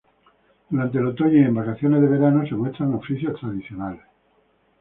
Durante el otoño y en vacaciones de verano se muestran oficios tradicionales.